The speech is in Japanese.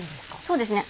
そうですね。